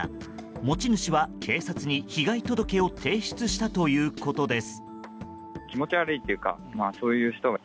持ち主は警察に被害届を提出したということです。